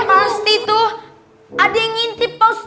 masti tuh ada yang ngintip paustat